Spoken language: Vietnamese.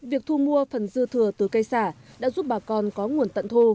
việc thu mua phần dư thừa từ cây xả đã giúp bà con có nguồn tận thu